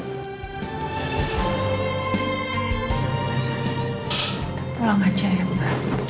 kita pulang aja ya mba